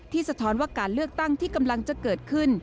สะท้อนว่าการเลือกตั้งที่กำลังจะเกิดขึ้น